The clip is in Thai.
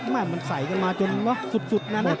มันใสกันมาจนสุด